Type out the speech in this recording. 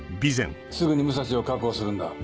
すぐに武蔵を確保するんだ。